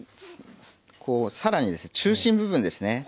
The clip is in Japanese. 更に中心部分ですね。